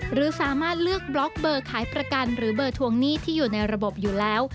หรือสามารถเลือกบล็อกเบอร์ขายประกันหรือเบอร์ทวงหนี้ที่อยู่ในระบบอยู่แล้ว